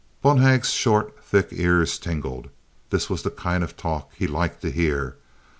Bonhag's short, thick ears tingled. This was the kind of talk he liked to hear.